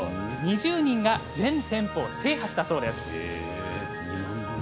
２０人が全店舗を制覇したそうです。